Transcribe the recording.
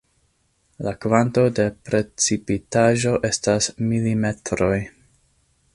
La kvanto de precipitaĵo estas milimetroj.